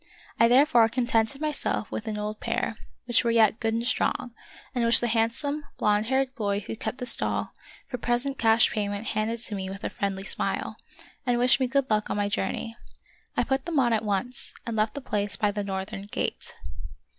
I therefore con tented myself with an old pair which were yet good and strong, and which the handsome, blond haired boy who kept the stall, for present cash payment handed to me with a friendly smile, and wished me good luck on my journey. I put them on at once, and left the place by the northern gate.